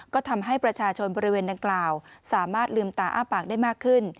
ก็ทำให้ประชาชนบริเวณดังกล่าวสามารถลืมตาอ้าปากได้มากขึ้น